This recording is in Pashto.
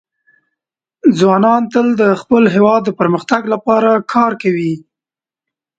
ځوانان تل د خپل هېواد د پرمختګ لپاره کار کوي.